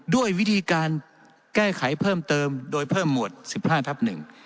ด้วยวิธีการแก้ไขเพิ่มเติมโดยเพิ่มหมวด๑๕ทับ๑